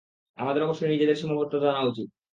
আমাদের অবশ্যই নিজের সীমাবদ্ধতা জানা উচিত।